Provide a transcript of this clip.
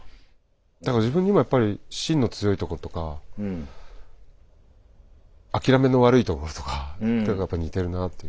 だから自分にもやっぱり芯の強いとことか諦めの悪いところとかやっぱ似てるなあという。